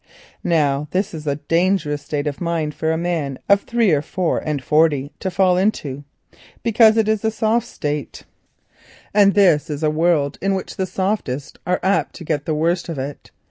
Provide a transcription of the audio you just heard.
Now this is a dangerous state of mind for a man of three or four and forty to fall into, because it is a soft state, and this is a world in which the softest are apt to get the worst of it.